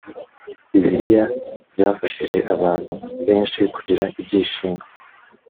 bibiliya zafashije abantu benshi kugira ibyishimo.